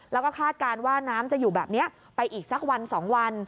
แล้วก็คาดการณ์ว่าน้ำจะอยู่แบบนี้ไปอีกสักวัน๒วัน